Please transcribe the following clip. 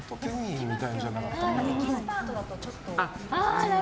エキスパートだとちょっとみたいな。